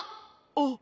あっ！